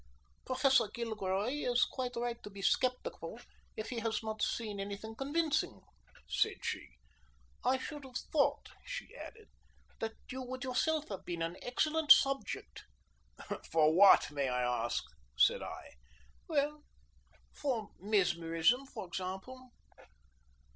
"Professor Gilroy is quite right to be sceptical if he has not seen any thing convincing," said she. "I should have thought," she added, "that you would yourself have been an excellent subject." "For what, may I ask?" said I. "Well, for mesmerism, for example."